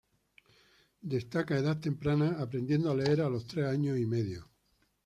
Destaca a edad temprana, aprendiendo a leer a los tres años y medio.